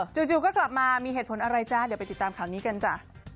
จู่ก็กลับมามีเหตุผลอะไรจ๊ะเดี๋ยวไปติดตามข่าวนี้กันจ้ะ